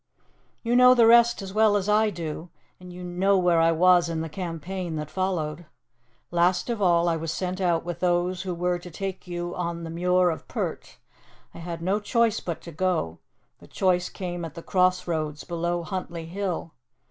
"You know the rest as well as I do, and you know where I was in the campaign that followed. Last of all I was sent out with those who were to take you on the Muir of Pert. I had no choice but to go the choice came at the cross roads below Huntly Hill.